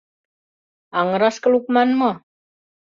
Аҥырашке лукман мо?